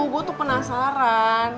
gue tuh penasaran